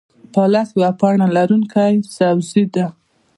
پالک یوه پاڼه لرونکی سبزی ده